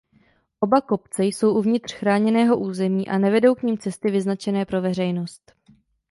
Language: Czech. Oba kopce jsou uvnitř chráněného území a nevedou k nim cesty vyznačené pro veřejnost.